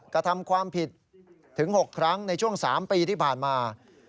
กระทำความผิดถึง๖ครั้งในช่วง๓ปีที่ผ่านมา